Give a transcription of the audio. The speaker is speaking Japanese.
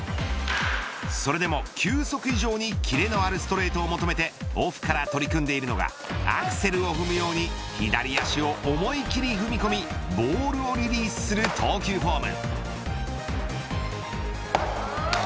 それでも球速以上にキレのあるストレートを求めてオフから取り組んでいるのがアクセルを踏むように左足を思い切り踏み込みボールをリリースする投球フォーム。